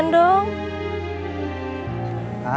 nailah nailah nailah